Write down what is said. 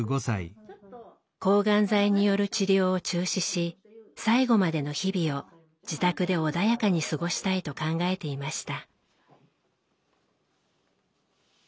抗がん剤による治療を中止し最期までの日々を自宅で穏やかに過ごしたいと考えていました。